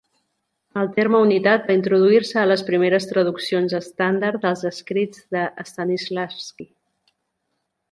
El terme unitat va introduir-se a les primeres traduccions estàndard dels escrits de Stanislavsky.